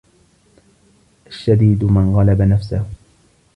الشَّدِيدُ مَنْ غَلَبَ نَفْسَهُ